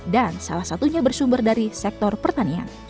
dan salah satunya bersumber dari sektor pertanian